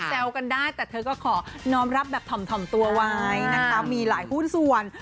เซลล์กันได้แต่เธอก็ขอน้องรับแบบถ่ำตัวไหวมีหลายหุ้นส่วน